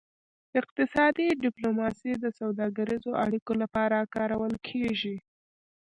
اقتصادي ډیپلوماسي د سوداګریزو اړیکو لپاره کارول کیږي